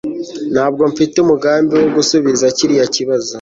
Ntabwo mfite umugambi wo gusubiza kiriya kibazo